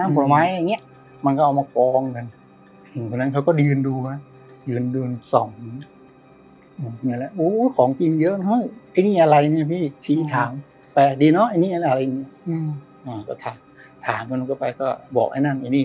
มือไม่มีมันก็เอามาควองเดินร่างเขาก็ดึงดูมันยืนดื่นส่อง